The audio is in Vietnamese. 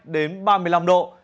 ba mươi hai đến ba mươi năm độ